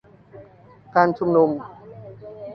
การชุมนุม